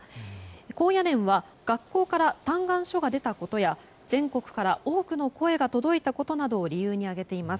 高野連は学校から嘆願書が出たことや全国から多くの声が届いたことを理由に挙げています。